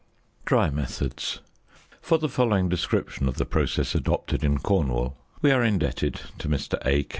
DRY METHODS. For the following description of the process adopted in Cornwall we are indebted to Mr. A.